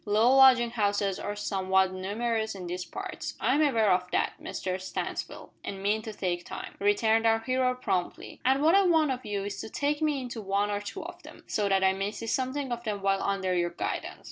"Low lodging houses are somewhat numerous in these parts." "I am aware of that, Mr Stansfield, and mean to take time," returned our hero promptly. "And what I want of you is to take me into one or two of them, so that I may see something of them while under your guidance.